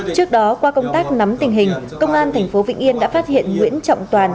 trước đó qua công tác nắm tình hình công an tp vn đã phát hiện nguyễn trọng toàn